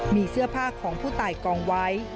มีเสื้อผ้าของผู้ตายกองไว้